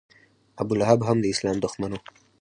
ابولهب هم د اسلام دښمن و.